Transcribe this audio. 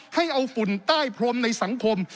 ให้เอาฝุ่นใต้พรมในสังคม